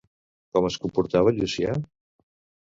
Com es comportava Llucià?